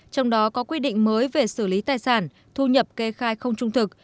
trong đó có quy định mới về xử lý tài sản thu nhập kê khai không trung thực